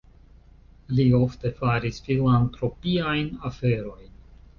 Li ofte faris filantropiajn aferojn.